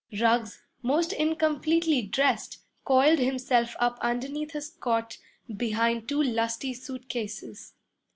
Ruggs, most incompletely dressed, coiled himself up underneath his cot behind two lusty suitcases.